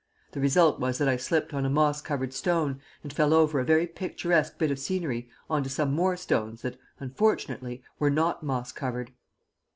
The result was that I slipped on a moss covered stone and fell over a very picturesque bit of scenery on to some more stones that, unfortunately, were not moss covered."